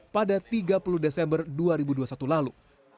pada tiga puluh desember dua ribu dua puluh satu lalu